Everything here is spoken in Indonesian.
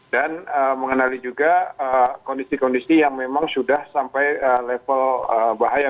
dan mengenali juga kondisi kondisi yang memang sudah sampai level bahaya